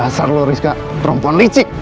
gasar lo rizka perempuan licik